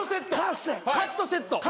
カットセット。